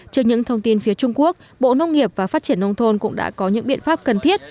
trước những thông tin phía trung quốc bộ nông nghiệp và phát triển nông thôn cũng đã có những biện pháp cần thiết